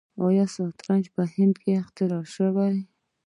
شطرنج په هند کې اختراع شوی.